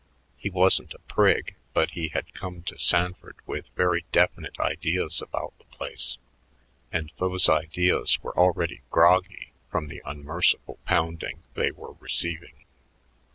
He wasn't a prig, but he had come to Sanford with very definite ideas about the place, and those ideas were already groggy from the unmerciful pounding they were receiving.